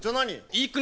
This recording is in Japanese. いい国